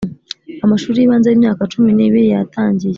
amashuri y ibanze y imyaka cumi n ibiri yatangiye